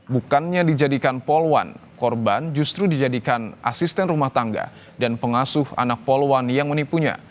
bukannya dijadikan poluan korban justru dijadikan asisten rumah tangga dan pengasuh anak poluan yang menipunya